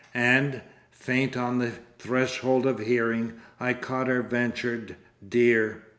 And, faint on the threshold of hearing, I caught her ventured "dear!"